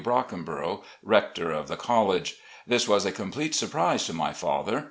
Brockeribrough, rector of the college. This was a complete surprise to my father.